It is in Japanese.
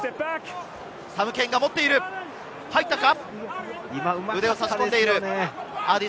サム・ケインが持っている、入ったか？